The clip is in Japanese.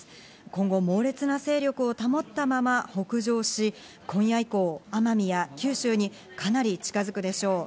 今後、猛烈な勢力を保ったまま北上し、今夜以降、奄美や九州にかなり近づくでしょう。